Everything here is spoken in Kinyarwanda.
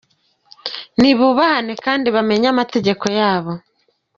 Ni bubahane kandi bamenye amateka yabo”.